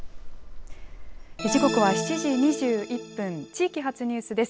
時刻は７時２１分、地域発ニュースです。